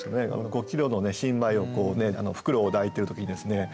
五キロの新米を袋を抱いてる時にですね